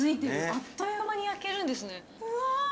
あっという間に焼けるんですね。